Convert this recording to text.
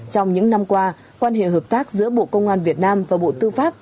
trong những năm qua quan hệ hợp tác giữa bộ công an việt nam và bộ tư pháp